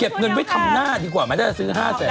เก็บเงินไว้ทำหน้าดีกว่าไม่ได้ซื้อ๕แสน